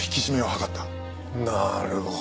なるほど。